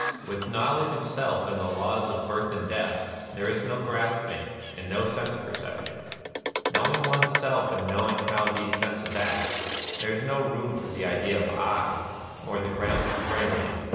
With know ledge of Self and the laws of hirth and death, there is no grasping, and no sense perception. Knowing one^s self and knowing how the senses act, there is no room for the idea of '/,' or the ground for framing it.